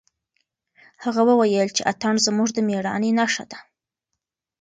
هغه وویل چې اتڼ زموږ د مېړانې نښه ده.